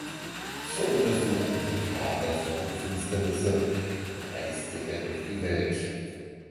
Zur Untersuchung totaler Sonnenfinsternisse reiste er durch die Welt.